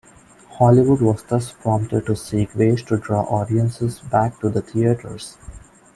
Hollywood was thus prompted to seek ways to draw audiences back to the theaters.